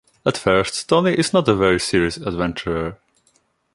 At first, Toni is not a very serious adventurer.